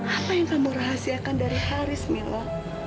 apa yang kamu rahasiakan dari haris millah